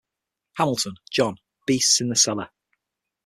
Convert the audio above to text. Hamilton, John: Beasts in the Cellar.